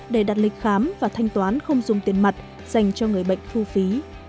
để đặt lịch khám và thanh toán không dùng tiền mặt dành cho người bệnh thu phí